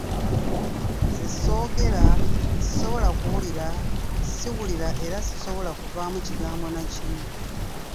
Nze soogera, sisobola kuwulira, siwulira era sisobola kuvaamu kigambo na kimu.